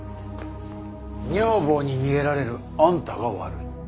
女房に逃げられるあんたが悪い。